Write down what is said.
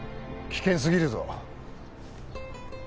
危険すぎるぞ。